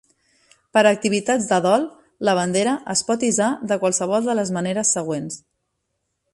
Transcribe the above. Per a activitats de dol, la bandera es pot hissar de qualsevol de les maneres següents.